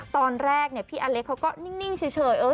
ตอนแรกพี่อเล็กเขาก็นิ่งเฉย